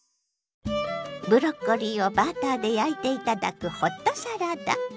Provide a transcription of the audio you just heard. ブロッコリーをバターで焼いていただくホットサラダ。